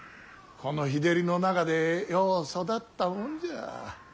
この日照りの中でよう育ったもんじゃ。